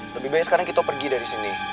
lebih banyak sekarang kita pergi dari sini